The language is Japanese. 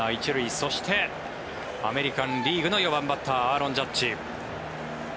そして、アメリカン・リーグの４番バッターアーロン・ジャッジ。